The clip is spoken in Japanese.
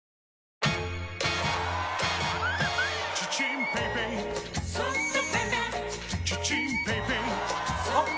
あっ！